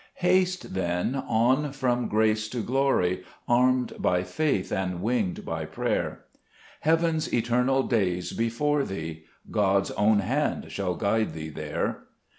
Haste, then, on from grace to glory, Armed by faith, and winged by prayer ; Heaven's eternal day's before thee, God's own hand shall guide thee there.